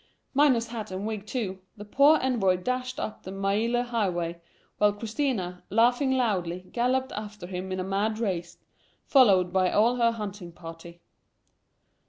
Minus hat and wig, too, the poor envoy dashed up the Maelar highway, while Christina, laughing loudly, galloped after him in a mad race, followed by all her hunting party.